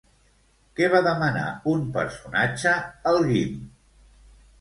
Què va demanar un personatge al Guim?